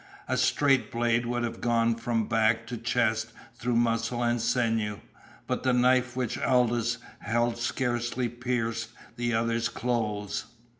A straight blade would have gone from back to chest through muscle and sinew, but the knife which Aldous held scarcely pierced the other's clothes.